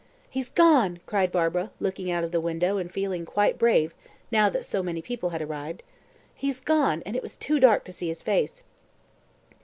"He's gone!" cried Barbara, looking out of the window and feeling quite brave now that so many people had arrived. "He's gone, and it was too dark to see his face."